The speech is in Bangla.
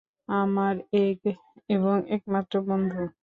আমার এক এবং একমাত্র বন্ধু।